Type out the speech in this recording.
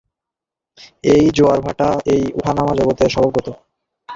এই জোয়ার-ভাঁটা, এই উঠা-নামা জগতের স্বভাবগত।